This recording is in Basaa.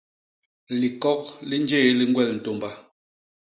Likok li njé li ñgwel ntômba.